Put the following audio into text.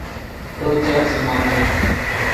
تو چر زیمونے